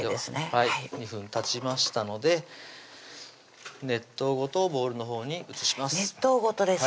はい２分たちましたので熱湯ごとボウルのほうに移します熱湯ごとです